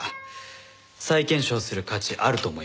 再検証する価値あると思います。